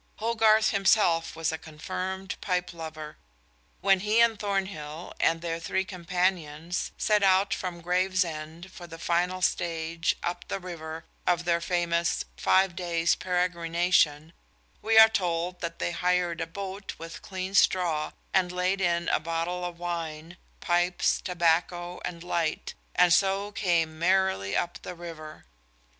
Hogarth himself was a confirmed pipe lover. When he and Thornhill and their three companions set out from Gravesend for the final stage, up the river, of their famous "Five Days Peregrination," we are told that they hired a boat with clean straw, and laid in a bottle of wine, pipes, tobacco, and light, and so came merrily up the river.